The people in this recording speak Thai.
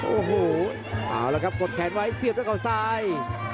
โอ้โหเอาละครับกดแขนไว้เสียบด้วยเขาซ้าย